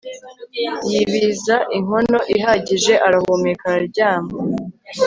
Yibiza inkono ihagije arahumeka araryama